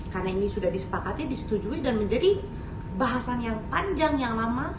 karena ini sudah disepakati disetujui dan menjadi bahasan yang panjang yang lama